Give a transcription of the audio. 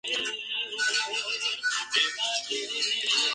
El campeón fue Consadole Sapporo, por lo que ascendió a Primera División.